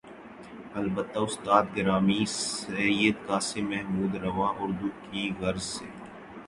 البتہ استاد گرامی سید قاسم محمود رواں اردو کی غرض سے